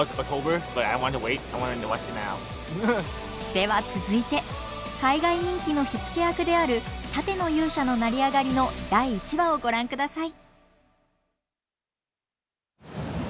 では続いて海外人気の火付け役である「盾の勇者の成り上がり」の第１話をご覧ください。